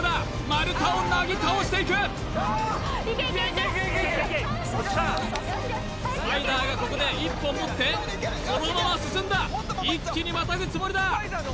丸太をなぎ倒していくスパイダーがここで１本持ってそのまま進んだ一気にまたぐつもりだ